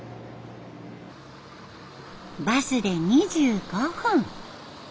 バスで２５分。